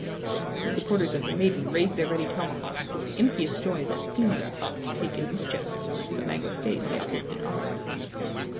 The supporters of the maiden raised their ready tomahawks with the impious joy that fiends are thought to take in mischief, but Magua stayed the uplifted arms.